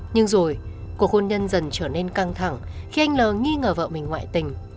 nhưng rồi cuộc hôn nhân dần trở nên căng thẳng khi anh l nghi ngờ vợ mình ngoại tình